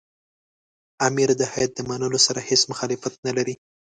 امیر د هیات د منلو سره هېڅ مخالفت نه لري.